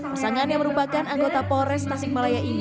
pasangan yang merupakan anggota polres tasikmalaya ini